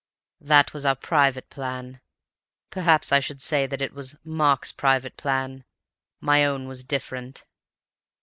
"That was our private plan. Perhaps I should say that it was Mark's private plan. My own was different.